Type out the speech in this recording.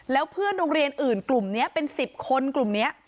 แล้วเพื่อนโรงเรียนอื่นกลุ่มนี้เป็น๑๐คนกลุ่มนี้